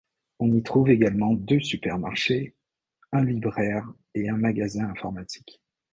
On y trouve également deux supermarchés, un libraire et un magasin informatique.